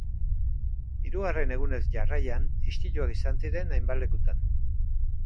Hirugarren egunez jarraian, istiluak izan ziren hainbat lekutan.